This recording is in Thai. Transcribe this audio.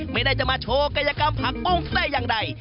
ไม่ได้จะมาโชว์ยกันผักปุ้งไตล้อย่างใด